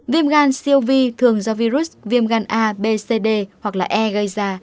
viêm gan cov thường do virus viêm gan a b c d hoặc e gây ra